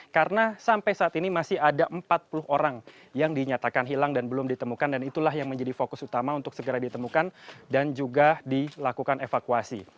karena sampai saat ini masih ada empat puluh orang yang dinyatakan hilang dan belum ditemukan dan itulah yang menjadi fokus utama untuk segera ditemukan dan juga dilakukan evakuasi